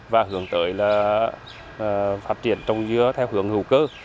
và hướng tới là phát triển trồng dưa theo hướng hữu cơ